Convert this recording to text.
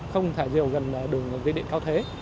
không thả diều gần đường dây điện cao thế